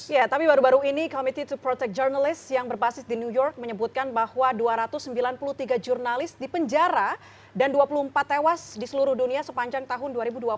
ya tapi baru baru ini committee to protect journalist yang berbasis di new york menyebutkan bahwa dua ratus sembilan puluh tiga jurnalis di penjara dan dua puluh empat tewas di seluruh dunia sepanjang tahun dua ribu dua puluh